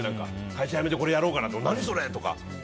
会社辞めてこれやろうかなとか何それ！とか。